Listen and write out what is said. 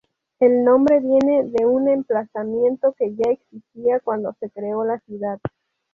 El nombre viene de un emplazamiento que ya existía cuando se creó la ciudad.